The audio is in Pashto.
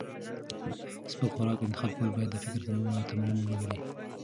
سپک خوراک انتخاب کول باید د فکر تمرین ولري.